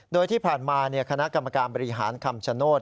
โดยที่ผ่านมาคณะกรรมการบริหารคำชโนธ